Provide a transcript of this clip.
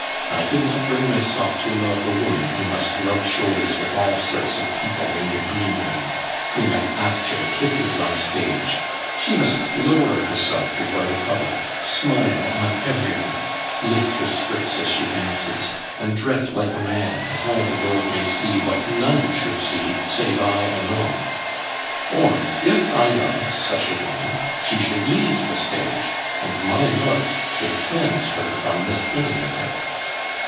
I could not bring myself to love a woman who must rub shoulders with all sorts of people in the green room; whom an actor kisses on stage; she must lower herself before the public, smile on every one, lift her skirts as she dances, and dress like a man, that all the world may see what none should see save I alone. Or if I loved such a woman, she should leave the stage, and my love should cleanse her from the stain of it."